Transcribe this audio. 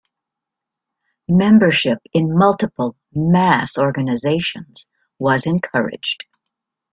Membership in multiple mass organisations was encouraged.